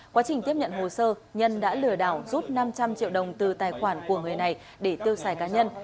quá trình tiếp nhận hồ sơ nhân đã lừa đảo rút năm trăm linh triệu đồng từ tài khoản của người này để tiêu xài cá nhân